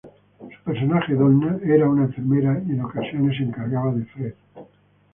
Su personaje, Donna era una enfermera y en ocasiones se encargaba de Fred.